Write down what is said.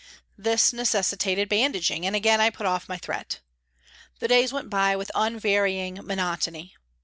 This necessitated bandaging, and again I put off my threat. The days went by with unvarying monotony.